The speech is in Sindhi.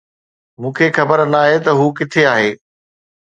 مون کي خبر ناهي ته هو ڪٿي آهي